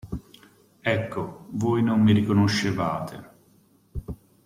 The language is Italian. Ecco, voi non mi riconoscevate!